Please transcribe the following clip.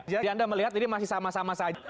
jadi anda melihat ini masih sama sama saja